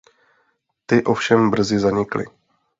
Ty ovšem brzy zanikly.